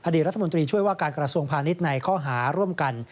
ดีรัฐมนตรีช่วยว่าการกระทรวงพาณิชย์ในข้อหาร่วมกัน